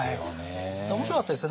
面白かったですよ。